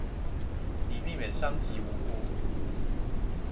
以避免傷及無辜